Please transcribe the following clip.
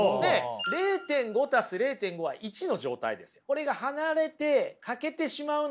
０．５足す０．５は１の状態です。